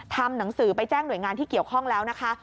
ทำหนังสือไปแจ้งหน่วยงานที่เกี่ยวข้องแล้วนะคะ